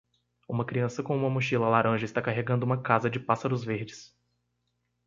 Uma criança com uma mochila laranja está carregando uma casa de pássaros verdes.